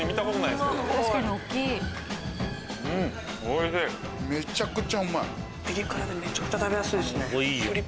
でめちゃくちゃ食べやすいですね。